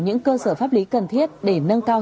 những cơ sở pháp lý cần thiết để nâng cao